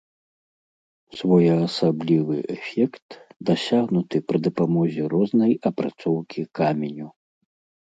Своеасаблівы эфект дасягнуты пры дапамозе рознай апрацоўкі каменю.